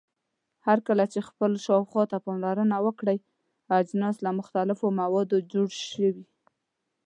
هرکله چې خپل شاوخوا ته پاملرنه وکړئ اجناس له مختلفو موادو جوړ شوي.